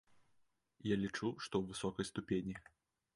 Я лічу, што ў высокай ступені.